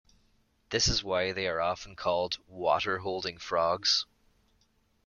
This is why they are often called "water-holding frogs".